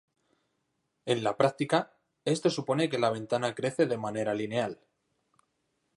En la práctica, esto supone que la ventana crece de manera lineal.